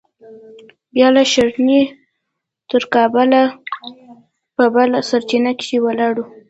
بيا له ښرنې تر کابله په بله سراچه کښې ولاړو.